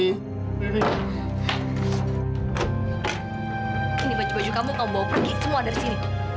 ini baju baju kamu bawa pergi semua dari sini